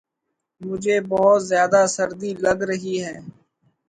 مجھے بہت زیادہ سردی لگ رہی ہے